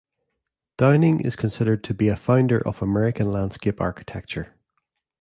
Downing is considered to be a founder of American landscape architecture.